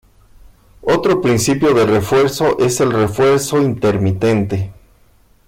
Otro principio de refuerzo es el refuerzo intermitente.